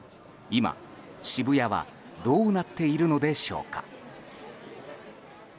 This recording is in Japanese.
今、渋谷はどうなっているのでしょうか。